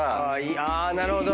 あなるほど。